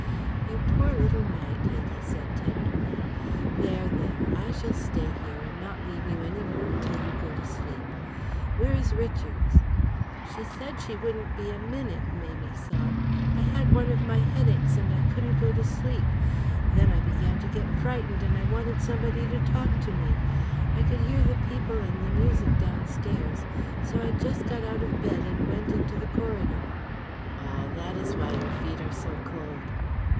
"You poor little mite," Hetty said tenderly. "There, there. I shall stay here and not leave you any more until you go to sleep. Where is Richards?" "She said she wouldn't be a minute," Mamie sobbed. "I had one of my headaches and I couldn't go to sleep. Then I began to get frightened and I wanted somebody to talk to me. I could hear the people and the music downstairs, so I just got out of bed and went into the corridor." "Ah, that is why your feet are so cold.